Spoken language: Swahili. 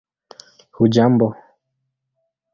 hujambo